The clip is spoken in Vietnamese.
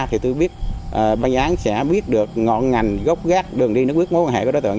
thì tụi tôi biết băng án sẽ biết được ngọn ngành gốc gác đường đi nước bước mối quan hệ của đối tượng